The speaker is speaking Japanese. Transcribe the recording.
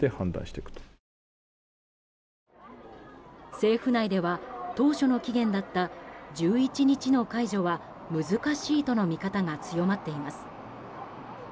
政府内では当初の期限だった１１日の解除は難しいとの見方が強まっています。